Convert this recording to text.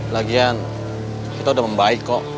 lagian kita udah membaik kok